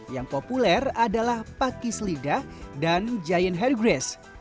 yang populer adalah pakis lidah dan giant hergris